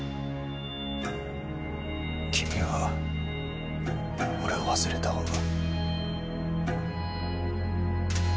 君は俺を忘れた方が。